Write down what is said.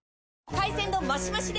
海鮮丼マシマシで！